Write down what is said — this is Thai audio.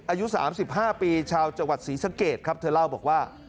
อายุ๓๕ปีชาวจังหวัดศรีสะเกดครับเธอเล่าบอกว่า